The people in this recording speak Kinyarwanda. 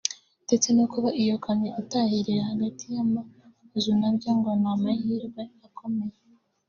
ndetse no kuba iyo kamyo itahiriye hagati y’amazunabyo ngo ni amahirwe akomeye